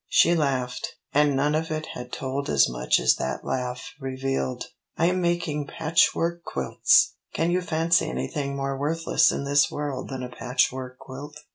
She laughed and none of it had told as much as that laugh revealed. "I am making patchwork quilts! Can you fancy anything more worthless in this world than a patchwork quilt?